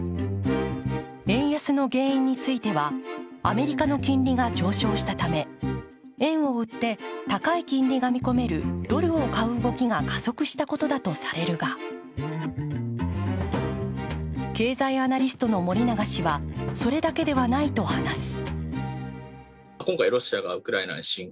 円安の原因については、アメリカの金利が上昇したため円を売って高い金利が見込めるドルを買う動きが加速したことだとされるが、経済アナリストの森永氏は、それだけではないと話す。